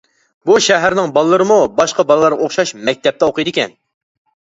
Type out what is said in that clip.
بۇ شەھەرنىڭ بالىلىرىمۇ باشقا بالىلارغا ئوخشاش مەكتەپتە ئوقۇيدىكەن.